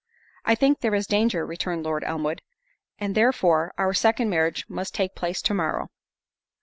"I think there is danger," returned Lord Elmwood, "and therefore our second marriage must take place to morrow."